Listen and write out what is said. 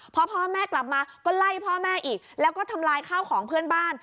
พอพ่อแม่กลับมาก็ไล่พ่อแม่อีกแล้วก็ทำลายข้าวของเพื่อนบ้าน